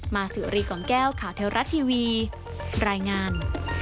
มาสิวรีของแก้วข่าวเทลรัตน์ทีวีรายงาน